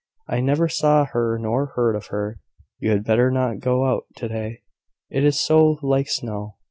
"I neither saw her nor heard of her. You had better not go out to day, it is so like snow.